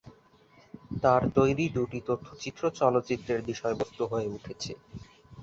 তার তৈরি দুটি তথ্যচিত্র চলচ্চিত্রের বিষয়বস্তু হয়ে উঠেছে।